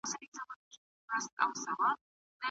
په غونډیو کې د څارویو څرول د هغوی د غوښې کیفیت په رښتیا لوړوي.